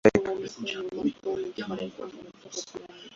Las competiciones se realizaron en el Palacio de Gimnasia de la capital uzbeka.